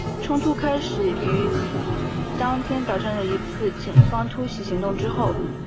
冲突开始于当天早上的一次警方突袭行动之后。